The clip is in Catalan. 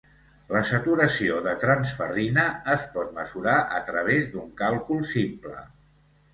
La saturació de transferrina es pot mesurar a través d’un càlcul simple.